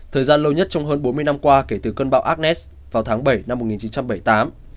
thời gian lâu nhất trong hơn bốn mươi năm qua kể từ cơn bão agnes vào tháng bảy năm một nghìn chín trăm bảy mươi tám